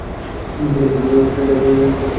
কিন্তু ভদ্রলোকের যা স্বভাব-চরিত্র, তিনি আবার আসবেন!